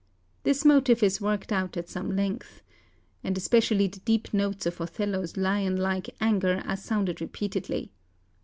This motif is worked out at some length ... and especially the deep notes of Othello's lion like anger are sounded repeatedly.